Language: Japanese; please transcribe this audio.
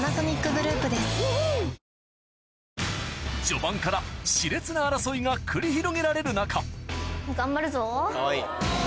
序盤から熾烈な争いが繰り広げられる中かわいい。